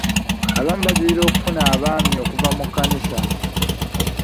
Abamu bajulira okufuna baami okuva mu kkanisa.